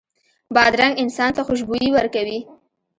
بادرنګ انسان ته خوشبويي ورکوي.